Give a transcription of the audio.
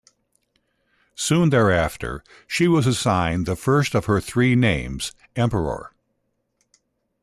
Soon thereafter, she was assigned the first of her three names, Emperor.